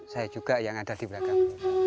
saya juga yang ada di belakang